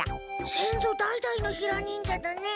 先祖代々のヒラ忍者だね。